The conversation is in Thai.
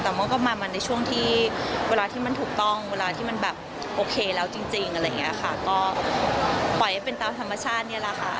แต่ว่าก็มามันในช่วงที่เวลาที่มันถูกต้องเวลาที่มันแบบโอเคแล้วจริงอะไรอย่างเงี้ยค่ะก็ปล่อยให้เป็นตามธรรมชาติเนี่ยแหละค่ะ